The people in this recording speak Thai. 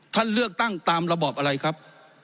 ท่านเลือกตั้งตามระบอบอะไรครับ